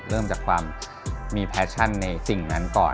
เริ่มจากความมีแฟชั่นในสิ่งนั้นก่อน